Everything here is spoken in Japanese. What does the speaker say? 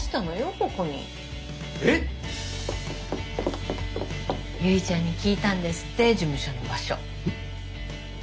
ここに。え！？結ちゃんに聞いたんですって事務所の場所。